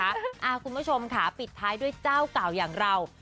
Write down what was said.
คุณผู้ชมค่ะปิดท้ายด้วยเจ้าเก่าอย่างเรา